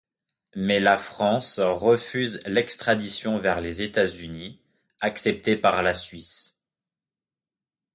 Mais la France refuse l'extradition vers les États-Unis, acceptée par la Suisse.